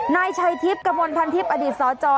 นายชัยทิพย์กระมวลพันทิพย์อดีตสจ